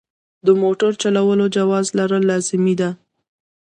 د موټر چلولو جواز لرل لازمي دي.